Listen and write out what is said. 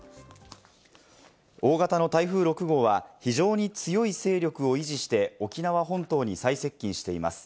大型の台風６号は非常に強い勢力を維持して沖縄本島に最接近しています。